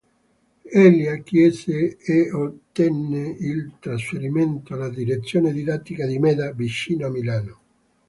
Elia chiese e ottenne il trasferimento alla Direzione Didattica di Meda, vicino a Milano.